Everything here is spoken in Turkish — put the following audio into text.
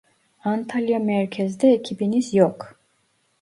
Antalya merkezde ekibiniz yok